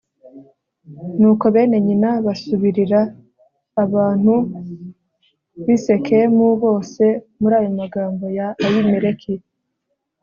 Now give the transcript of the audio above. nuko bene nyina basubirira abantu b'i sikemu bose muri ayo magambo ya abimeleki